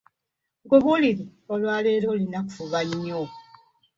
Nkubuulire olwa leero olina kufuba nnyo.